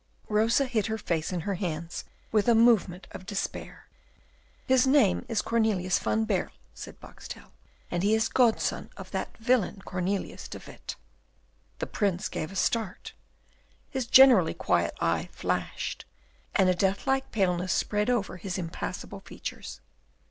Rosa hid her face in her hands with a movement of despair. "His name is Cornelius van Baerle," said Boxtel, "and he is godson of that villain Cornelius de Witt." The Prince gave a start, his generally quiet eye flashed, and a death like paleness spread over his impassible features.